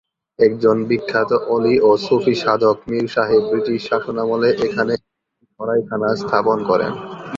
একজন বিখ্যাত অলি ও সুফি সাধক মীর সাহেব ব্রিটিশ শাসনামলে এখানে একটি সরাই খানা স্থাপন করেন।